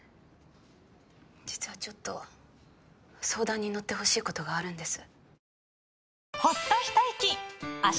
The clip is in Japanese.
実はちょっと相談に乗ってほしいことがあるんです。